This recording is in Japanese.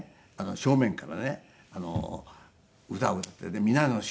正面からね歌を歌ってね『皆の衆』。